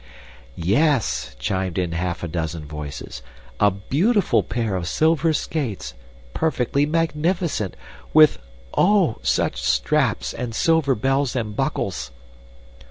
"Yes," chimed in half a dozen voices, "a beautiful pair of silver skates perfectly magnificent with, oh! such straps and silver bells and buckles!"